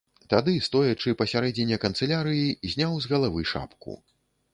Тады, стоячы пасярэдзіне канцылярыі, зняў з галавы шапку.